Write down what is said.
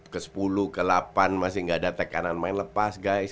ke sepuluh ke delapan masih gak ada tekanan main lepas guys